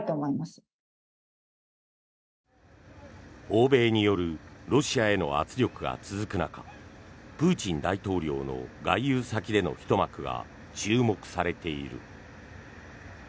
欧米によるロシアへの圧力が続く中プーチン大統領の外遊先でのひと幕が注目されている。